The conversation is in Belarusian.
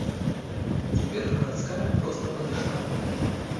Цяпер гарадская проста падышла.